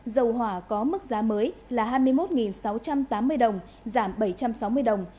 dầu hỏa có mức giá mới là hai mươi một sáu trăm tám mươi đồng giảm bảy trăm sáu mươi đồng